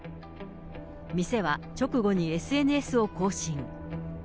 店は直後にＳＮＳを更新。